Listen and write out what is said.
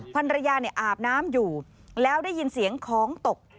พันรยาอาบน้ำอยู่แล้วได้ยินเสียงของตก